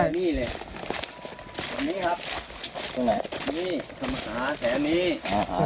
นี่เลยตรงนี้ครับตรงไหนนี่คำศาสตร์แถวนี้อ่าอ่า